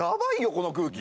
この空気。